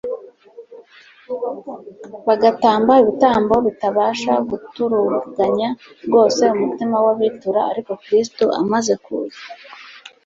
bagatamba ibitambo bitabasha guturuganya rwose umutima w'ubitura.... Ariko Kristo amaze kuza,